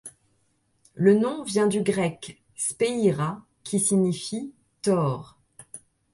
Le nom vient du grec σπειρα, qui signifie tore.